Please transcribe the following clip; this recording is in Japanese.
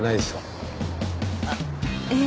あっええ。